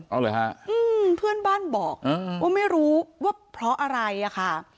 เอาเลยฮะเพื่อนบ้านบอกว่าไม่รู้ว่าเพราะอะไรอะค่ะ